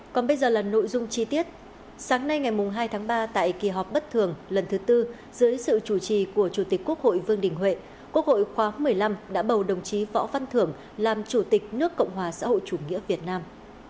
còn bây giờ là nội dung chi tiết sáng nay ngày hai tháng ba tại kỳ họp bất thường lần thứ tư dưới sự chủ trì của chủ tịch quốc hội vương đình huệ quốc hội khóa một mươi năm đã bầu đồng chí võ văn thưởng làm chủ tịch nước cộng hòa xã hội chủ nghĩa việt nam